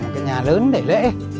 cái nhà lớn để lễ